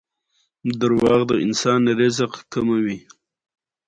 واوره د افغانستان د فرهنګي فستیوالونو برخه ده.